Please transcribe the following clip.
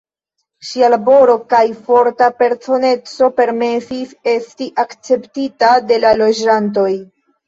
Ŝia laboro kaj forta personeco permesis esti akceptita de la loĝantoj.